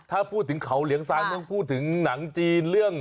ถ้าพูดถึงเขาเหลียงซางต้องพูดถึงหนังจีนเรื่อง